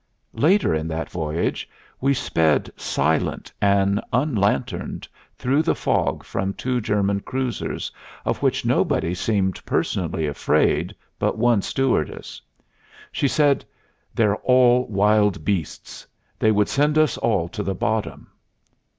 Later in that voyage we sped silent and unlanterned through the fog from two German cruisers, of which nobody seemed personally afraid but one stewardess. She said: "They're all wild beasts. They would send us all to the bottom."